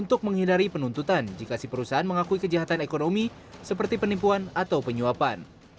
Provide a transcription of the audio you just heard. ini juga mengingatkan perusahaan mengalami penuntutan jika si perusahaan mengakui kejahatan ekonomi seperti penipuan atau penyuapan